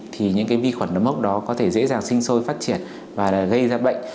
thì những vi khuẩn nấm mốc đó có thể dễ dàng sinh sôi phát triển và gây ra bệnh